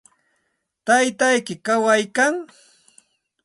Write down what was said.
¿Taytayki kawaykan?